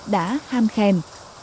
đã ham khen